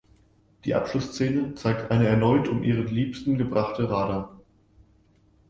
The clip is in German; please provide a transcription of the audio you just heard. Die Abschlussszene zeigt eine erneut um ihren Liebsten gebrachte Radha.